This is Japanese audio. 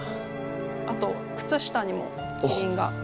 あと靴下にもキリンが。